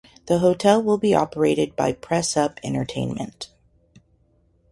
The hotel will be operated by Press Up Entertainment.